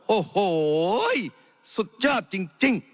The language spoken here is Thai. โอ้โหสุดยอดจริง